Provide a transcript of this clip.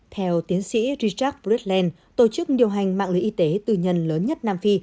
theo tiến sĩ richard bridgeland tổ chức điều hành mạng lưới y tế tư nhân lớn nhất nam phi